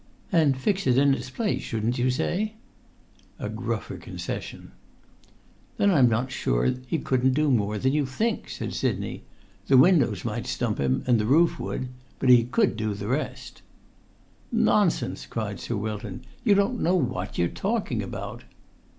"And fix it in its place, shouldn't you say?" A gruffer concession. "Then I'm not sure that he couldn't do more than you think," said Sidney. "The windows might stump him, and the roof would; but he could do the rest." "Nonsense!" cried Sir Wilton. "You don't know what you're talking about."